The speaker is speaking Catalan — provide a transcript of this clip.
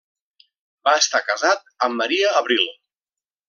Va estar casat amb Maria Abril.